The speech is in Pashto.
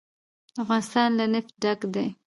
افغانستان له نفت ډک دی.